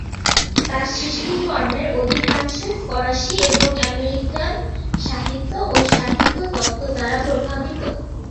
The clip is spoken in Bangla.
তার সৃষ্টিকর্মের অধিকাংশই ফরাসী এবং আমেরিকান সাহিত্য ও সাহিত্য-তত্ত্ব দ্বারা প্রভাবিত।